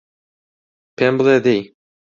پێم بڵێ دەی